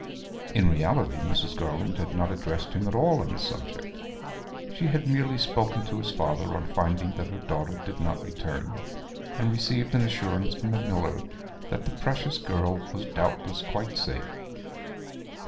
In reality Mrs. Garland had not addressed him at all on the subject. She had merely spoken to his father on finding that her daughter did not return, and received an assurance from the miller that the precious girl was doubtless quite safe.